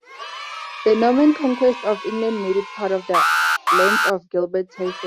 The Norman conquest of England made it part of the lands of Gilbert Tison.